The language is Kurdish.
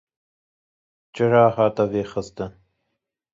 Çira hat vêxistin